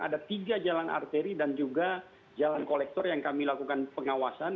ada tiga jalan arteri dan juga jalan kolektor yang kami lakukan pengawasan